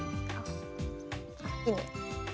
いいね。